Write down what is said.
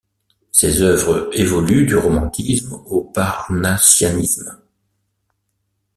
Ses œuvres évoluent du romantisme au parnasianisme.